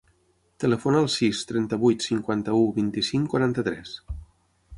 Telefona al sis, trenta-vuit, cinquanta-u, vint-i-cinc, quaranta-tres.